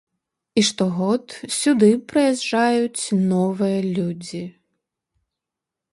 І штогод сюды прыязджаюць новыя людзі.